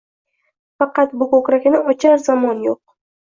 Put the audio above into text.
Faqat bu ko‘krakni ochar zamon yo‘q.